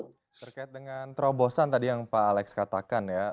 terkait dengan terobosan tadi yang pak alex katakan ya